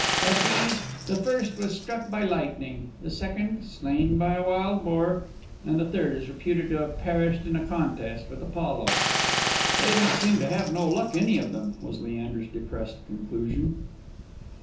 Of these, the first was struck by lightning; the second slain by a wild boar; and the third is reputed to have perished in a contest with Apollo." "They don't seem to have had no luck, any of them," was Leander's depressed conclusion.